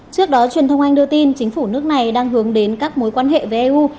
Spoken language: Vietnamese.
trước đó truyền thông anh đưa tin chính phủ nước này đang hướng đến các mối quan hệ với eu